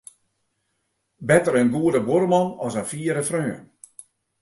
Better in goede buorman as in fiere freon.